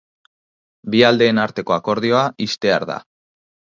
Bi aldeen arteko akordioa ixtear da.